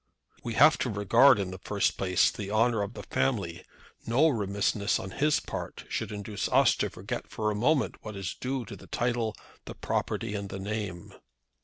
"We have to regard, in the first place, the honour of the family. No remissness on his part should induce us to forget for a moment what is due to the title, the property, and the name."